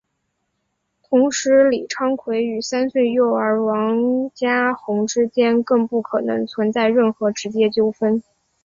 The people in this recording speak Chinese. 同时李昌奎与三岁幼儿王家红之间更不可能存在任何直接纠纷。